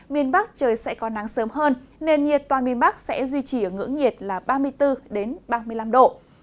miền bắc trời sẽ có nắng sớm hơn nền nhiệt toàn miền bắc sẽ duy trì ở ngưỡng nhiệt là ba mươi bốn ba mươi năm độ